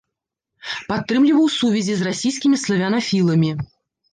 Падтрымліваў сувязі з расійскімі славянафіламі.